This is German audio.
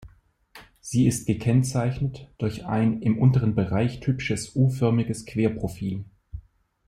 Sie ist gekennzeichnet durch ein im unteren Bereich typisches U-förmiges Querprofil.